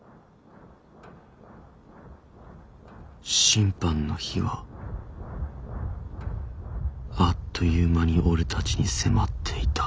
審判の日はあっという間に俺たちに迫っていた